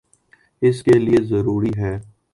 اس کے لئیے ضروری ہے